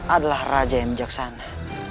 adalah raja yang menjaksana